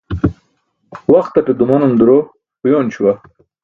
Waxtate dumanum duro uyoon śuwa